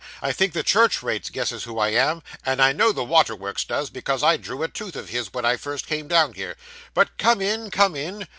I think the Church rates guesses who I am, and I know the Water works does, because I drew a tooth of his when I first came down here. But come in, come in!